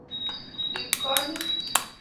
riib konyit